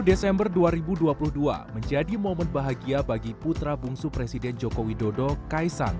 dua puluh desember dua ribu dua puluh dua menjadi momen bahagia bagi putra bungsu presiden joko widodo kaisang